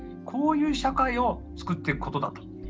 こういう社会を作っていくことだと。